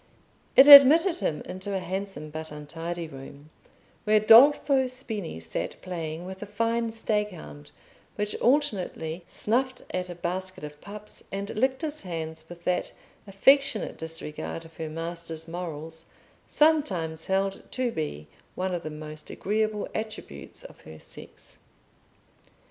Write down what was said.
It admitted him into a handsome but untidy room, where Dolfo Spini sat playing with a fine stag hound which alternately snuffed at a basket of pups and licked his hands with that affectionate disregard of her master's morals sometimes held to be one of the most agreeable attributes of her sex.